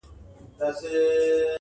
دواړه هيلې او وېره په فضا کي ګډېږي,